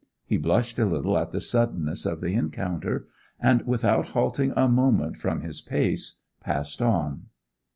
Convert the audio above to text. He blushed a little at the suddenness of the encounter, and without halting a moment from his pace passed on.